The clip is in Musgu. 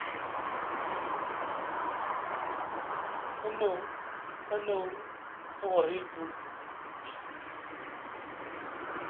Ana ana a wa ahi bu.